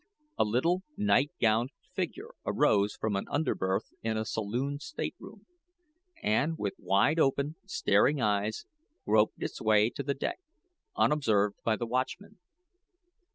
A little night gowned figure arose from an under berth in a saloon stateroom, and, with wide open, staring eyes, groped its way to the deck, unobserved by the watchman.